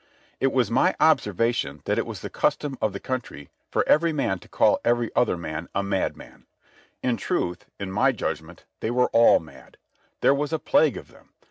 It was my observation that it was the custom of the country for every man to call every other man a madman. In truth, in my judgment, they were all mad. There was a plague of them.